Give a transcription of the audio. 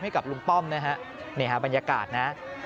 ให้กับลุงป้อมนะฮะนี่ฮะบรรยากาศนะ